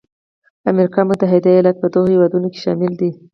امریکا متحده ایالات په دغو هېوادونو کې شامل دی.